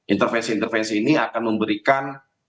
intervensi intervensi ini akan memberikan